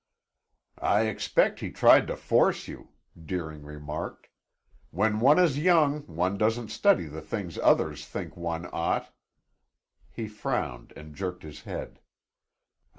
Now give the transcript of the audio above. "I expect he tried to force you," Deering remarked. "When one is young one doesn't study the things others think one ought " He frowned and jerked his head.